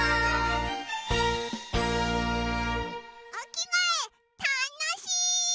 おきがえたのしい！